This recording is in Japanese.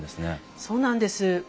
そうなんです。